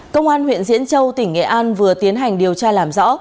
công an huyện diễn châu tỉnh nghệ an vừa tiến hành điều tra làm rõ